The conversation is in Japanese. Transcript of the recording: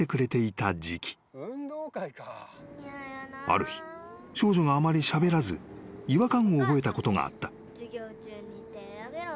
［ある日少女があまりしゃべらず違和感を覚えたことがあった］